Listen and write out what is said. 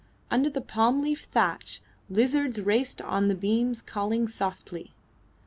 Under the palm leaf thatch lizards raced on the beams calling softly.